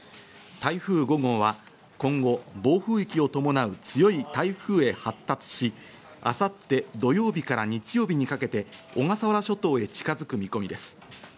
台風５号は今後、暴風域を伴う強い台風へ発達し、明後日土曜日から日曜日にかけて小笠原諸島へ近づく見込みです。